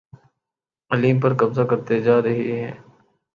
علیم پر قبضہ کرتی جا رہی ہے